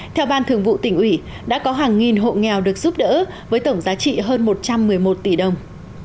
theo ban thường vụ tỉnh ủy đã có hàng nghìn hộ nghèo được giúp đỡ với tổng giá trị hơn một trăm một mươi một tỷ đồng